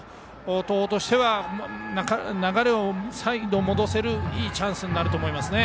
東邦としては流れを再度、戻せるいいチャンスになると思いますね。